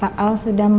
pak al sudah minta